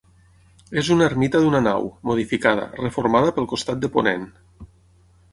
És una ermita d'una nau, modificada, reformada pel costat de ponent.